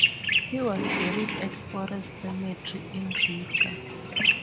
He was buried at Forest Cemetery in Riga.